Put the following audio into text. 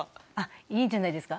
いいんじゃないですか？